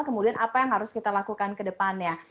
kemudian apa yang harus kita lakukan ke depannya